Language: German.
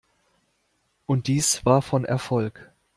Und dies war von Erfolg.